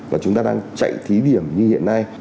và chúng ta đang chạy thí điểm như hiện nay